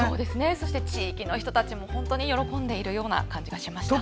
そして地域の人たちも喜んでいるような感じがしました。